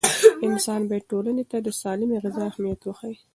انسان باید ټولنې ته د سالمې غذا اهمیت وښيي.